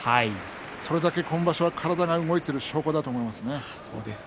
それだけ今場所は体が動いている証拠だと思います。